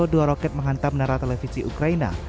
dua roket menghantam menara televisi ukraina